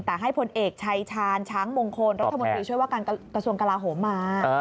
แต่ให้พลเอกชายชาญช้างมงคลรัฐมนตรีช่วยว่าการกระทรวงกลาโหมมา